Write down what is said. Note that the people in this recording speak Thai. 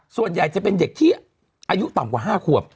ส่วนใหญ่จะเป็นเด็กที่อายุต่ำกว่า๕ขวบ